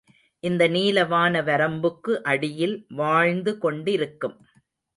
இந்த நீல வான வரம்புக்கு அடியில் வாழ்ந்து கொண்டிருக்கும்.